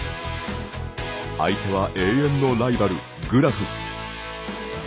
相手は永遠のライバル、グラフ。